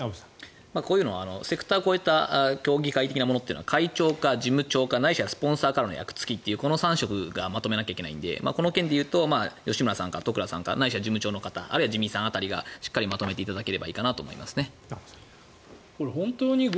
こういうのはセクターを超えた協議会的なものは会長か事務長か、ないしはスポンサーからの役付きというこの３職がまとめないといけないのでこの件で言うと吉村さんか十倉さん自見さん辺りがしっかりまとめていただければいいかなと思います。